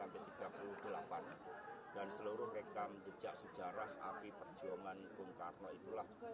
dan seluruh rekam jejak sejarah api perjuangan bung karno itulah